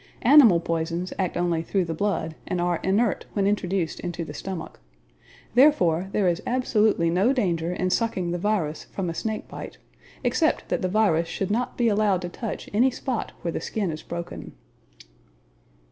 Animal poisons act only through the blood, and are inert when introduced into the stomach. Therefore there is absolutely no danger in sucking the virus from a snake bite, except that the virus should not be allowed to touch any spot where the skin is broken.